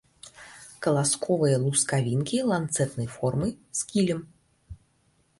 Каласковыя лускавінкі ланцэтнай формы, з кілем.